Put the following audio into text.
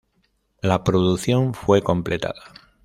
La producción fue completada.